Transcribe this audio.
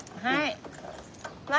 はい。